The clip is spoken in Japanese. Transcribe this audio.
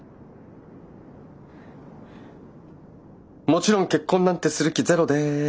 もちろん結婚なんてする気ゼロです。